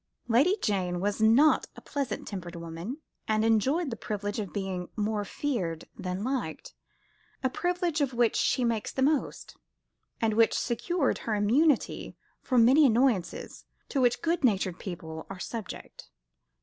Lady Jane was not a pleasant tempered woman, and enjoyed the privilege of being more feared than liked; a privilege of which she made the most, and which secured her immunity from many annoyances to which good natured people are subject.